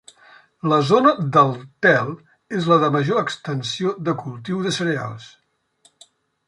La zona del Tel és la de major extensió de cultiu de cereals.